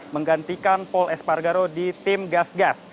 menggantikan paul espargaro di tim gas gas